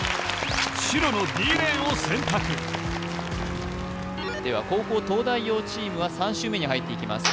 白のＤレーンを選択では後攻東大王チームは３周目に入っていきます